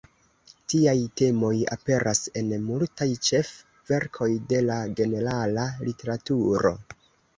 Tiaj temoj aperas en multaj ĉef-verkoj de la generala literaturo.